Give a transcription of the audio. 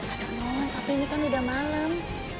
ada momen tapi ini kan udah malam